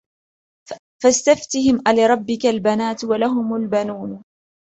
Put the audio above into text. فَاسْتَفْتِهِمْ أَلِرَبِّكَ الْبَنَاتُ وَلَهُمُ الْبَنُونَ